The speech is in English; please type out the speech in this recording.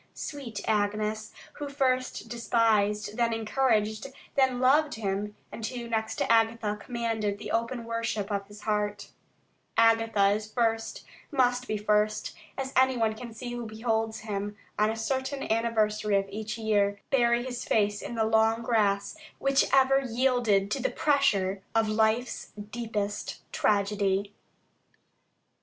Sweet Agnes, who first despised, then encouraged, then loved him, and who, next to Agatha, commanded the open worship of his heart. Agatha is first, must be first, as anyone can see who beholds him, on a certain anniversary of each year, bury his face in the long grass which covers the saddest and most passionate heart which ever yielded to the pressure of life's deepest tragedy.